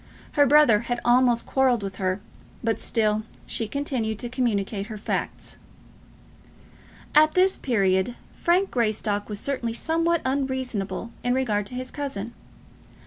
Her brother had almost quarrelled with her, but still she continued to communicate her facts. At this period Frank Greystock was certainly somewhat unreasonable in regard to his cousin.